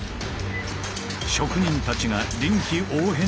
職人たちが臨機応変に動き